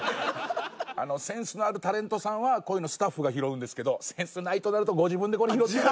センスのあるタレントさんはこういうのスタッフが拾うんですけどセンスないとなるとご自分でこれ拾って頂いて。